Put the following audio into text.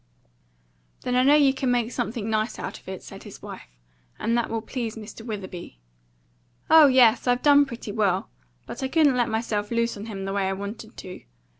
"Then I know you could make something nice out of it," said his wife; "and that will please Mr. Witherby." "Oh yes, I've done pretty well; but I couldn't let myself loose on him the way I wanted to.